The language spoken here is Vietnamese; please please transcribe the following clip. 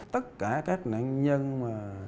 tất cả các nạn nhân mà